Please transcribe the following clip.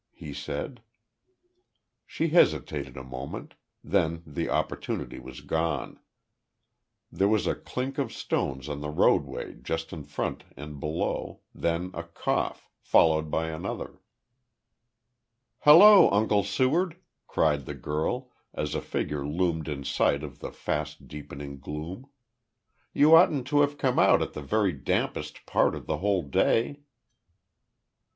he said. She hesitated a moment, then the opportunity was gone. There was a clink of stones on the roadway just in front and below, then a cough, followed by another. "Hallo, Uncle Seward!" cried the girl, as a figure loomed in sight in the fast deepening gloom. "You oughtn't to have come out at the very dampest part of the whole day."